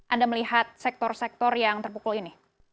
anda melihat sektor sektor yang terpukul ini